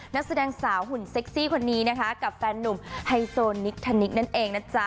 นักแสดงสาวหุ่นเซ็กซี่คนนี้นะคะกับแฟนนุ่มไฮโซนิกธนิกนั่นเองนะจ๊ะ